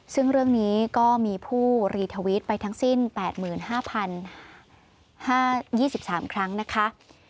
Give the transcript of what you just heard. ซึ่งเรื่องนี้ก็มีผู้รีทวิตไปทั้งสิ้น๘๕๐๒๓ครั้งนะคะ